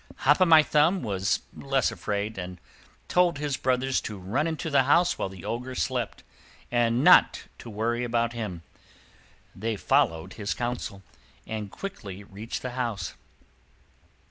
Hop o' My Thumb was less afraid, and told his brothers to run into the house while the Ogre slept, and not to worry about him. They followed his counsel, and quickly reached the house.